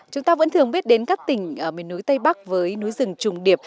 chúng ta vẫn thường biết đến các tỉnh ở miền núi tây bắc với núi rừng trùng điệp